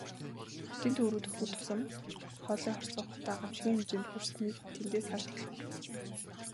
Хотын төв рүү дөхөх тусам хоолой хорсгох утаа гамшгийн хэмжээнд хүрснийг тэндээс харж болохоор.